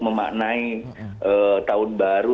memaknai tahun baru